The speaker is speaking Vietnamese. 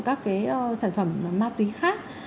các sản phẩm ma túy khác